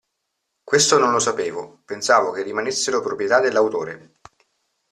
Questo non lo sapevo, pensavo che rimanessero proprietà dell'autore.